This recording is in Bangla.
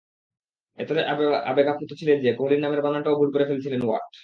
এতটাই আবেগাপ্লুত ছিলেন যে, কোহলির নামের বানানটাও ভুল করে ফেলেছিলেন ওয়াট।